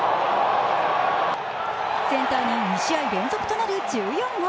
センターに２試合連続となる１４号。